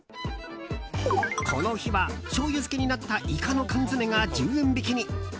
この日はしょうゆ漬けになったイカの缶詰が１０円引きに。